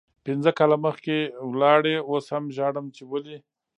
پنځه کاله مخکې لاړی اوس هم ژاړم چی ولې